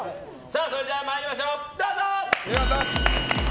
それでは参りましょう、どうぞ！